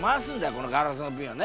このガラスのビンをね。